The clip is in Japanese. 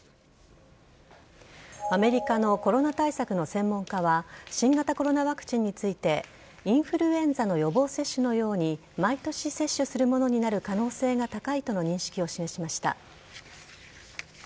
アメリカのコロナ対策の専門家は新型コロナワクチンについてインフルエンザの予防接種のように毎年接種するものになる可能性が高いとの認識を示しました。